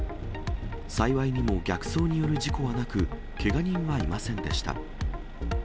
幸いにも逆走による事故はなく、けが人はいませんでした。